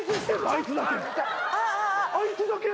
あいつだけ。